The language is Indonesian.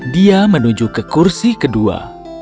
dia menuju ke kursi kedua